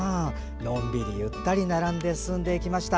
のんびり、ゆったり並んで進んでいきました。